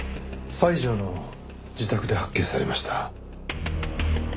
西條の自宅で発見されました。